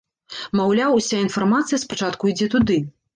Маўляў, уся інфармацыя спачатку ідзе туды.